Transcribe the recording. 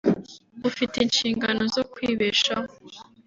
ufite inshingano zo kwibeshaho